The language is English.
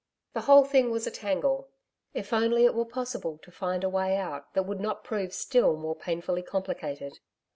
The whole thing was a tangle. If only it were possible to find a way out that would not prove still more painfully complicated.